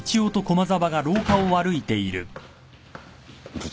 部長。